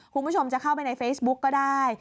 คุณผู้ชมจะเข้าไปในเฟซบุ๊กก็ได้